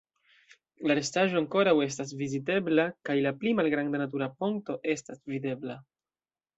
La restaĵo ankoraŭ estas vizitebla kaj la pli malgranda natura ponto estas videbla.